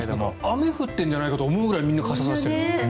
雨が降ってるんじゃないかと思うぐらいみんな傘差してますね。